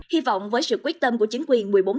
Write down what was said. hy vọng với sự quyết tâm của chính quyền